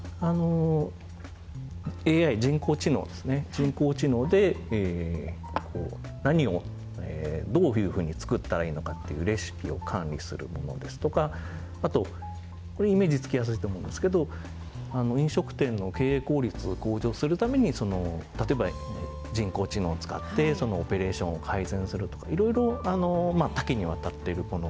人工知能で何をどういうふうに作ったらいいのかっていうレシピを管理するものですとかあとこれイメージつきやすいと思うんですけど飲食店の経営効率を向上するために例えば人工知能を使ってオペレーションを改善するとかいろいろ多岐にわたってるものなんですね。